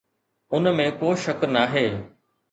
ان ۾ ڪو شڪ ناهي.